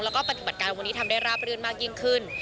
แล้วก็ปฏิบัติการวันนี้ทำได้ราบรื่นมากยิ่งขึ้น